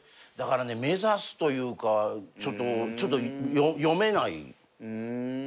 だからね目指すというかちょっと読めない。